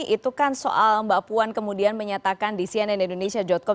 itu kan soal mbak puan kemudian menyatakan di cnnindonesia com